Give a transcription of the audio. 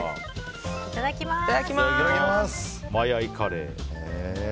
いただきます。